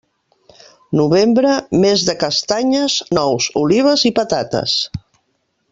Novembre, mes de castanyes, nous, olives i patates.